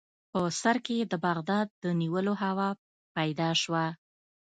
په سر کې یې د بغداد د نیولو هوا پیدا شوه.